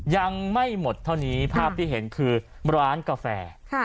ยังไม่หมดเท่านี้ภาพที่เห็นคือร้านกาแฟ